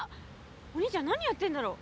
お兄ちゃん何やってるんだろう？